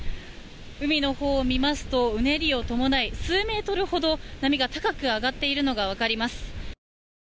海のほうを見ますとうねりを伴い数メートルほど波が高く上がっているのが分かります。